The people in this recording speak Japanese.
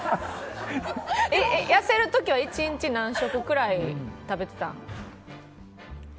痩せる時は１日何食くらい食べてたん？